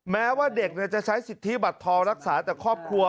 แม้ว่าเด็กจะใช้สิทธิบัตรทองรักษาแต่ครอบครัว